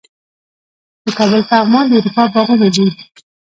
د کابل پغمان د اروپا باغونه دي